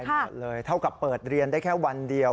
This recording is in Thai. หมดเลยเท่ากับเปิดเรียนได้แค่วันเดียว